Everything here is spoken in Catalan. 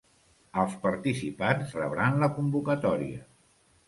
Els participants rebran la convocatòria.